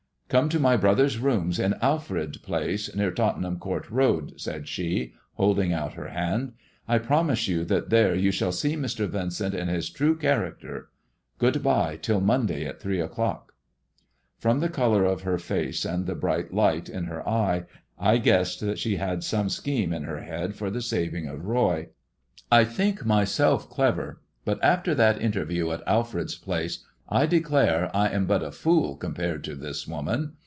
" Come to my brother's rooms in Alfred Place, near Tottenham Court Road," said she, holding out her hand. " I promise you that there you shall see Mr. Yincent in his true character. Good bye till Monday at three o'clock." From the colour in her face and the bright light in her eye, I guessed that she had some scheme in her head for the saving of Roy. I think myself clever, but after that inter view at Alfred Place I declare I am but a fool compared to this woman.